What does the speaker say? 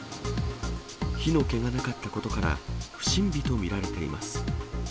火の気がなかったことから、不審火と見られています。